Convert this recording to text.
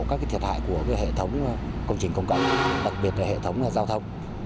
của hệ thống công trình công cộng đặc biệt là hệ thống giao thông